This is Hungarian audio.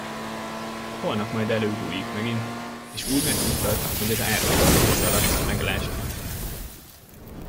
Holnap majd előbújik megint, és úgy megfuttat, hogy az árokpartig szaladsz, meglásd!